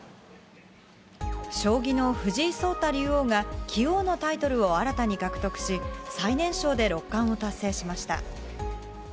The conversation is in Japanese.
将棋の藤井聡太竜王が、棋王のタイトルを新たに獲得し、最年少で六冠を達成しました。